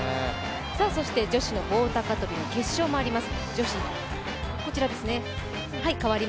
女子の棒高跳の決勝もあります。